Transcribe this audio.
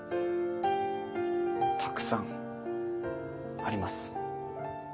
たくさんあります。